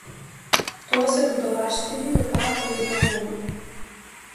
Тоа се будалштини, но таа верува во нив.